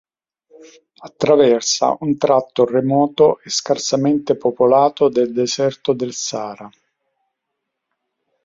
Attraversa un tratto remoto e scarsamente popolato del deserto del Sahara.